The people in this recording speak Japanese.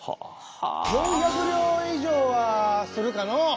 ４００両以上はするかの。